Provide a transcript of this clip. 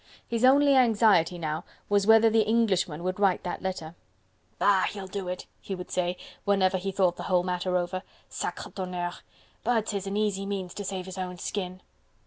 His only anxiety now was whether the Englishman would write that letter. "Bah! he'll do it," he would say whenever he thought the whole matter over: "Sacre tonnerre! but 'tis an easy means to save his own skin."